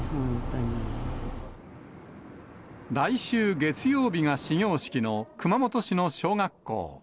来週月曜日が始業式の熊本市の小学校。